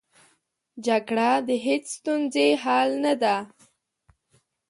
جګړه د هېڅ ستونزې حل نه ده